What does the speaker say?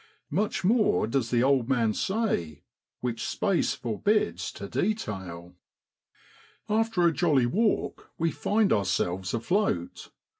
Much more does the old man say, which space forbids to detail. WELCOMING A PERCH. After a jolly walk we find ourselves afloat.